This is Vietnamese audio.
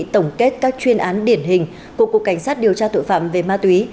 tổng kết các chuyên án điển hình của cục cảnh sát điều tra tội phạm về ma túy